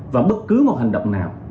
và bất cứ một hành động nào